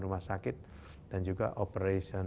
rumah sakit dan juga operation